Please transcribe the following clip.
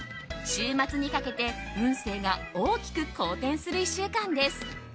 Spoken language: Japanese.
週末にかけて運勢が大きく好転する１週間です。